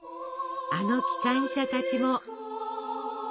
あの機関車たちも！